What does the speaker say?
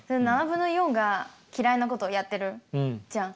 ７分の４が嫌いなことをやってるじゃん。